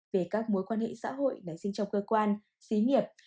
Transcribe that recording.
về các mối quan hệ xã hội nảy sinh trong cơ quan xí nghiệp